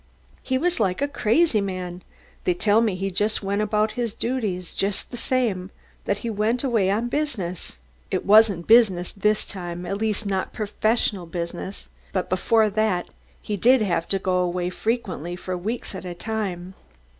"He was like a crazy man." "They tell me that he went about his duties just the same that he went away on business." "It wasn't business this time, at least not professional business. But before that he did have to go away frequently for weeks at a time."